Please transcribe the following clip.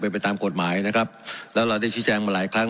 เป็นไปตามกฎหมายนะครับแล้วเราได้ชี้แจงมาหลายครั้ง